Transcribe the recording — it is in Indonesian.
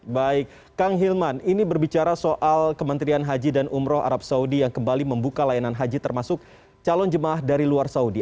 baik kang hilman ini berbicara soal kementerian haji dan umroh arab saudi yang kembali membuka layanan haji termasuk calon jemaah dari luar saudi